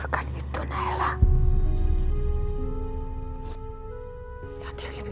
kamu gak apa apa kan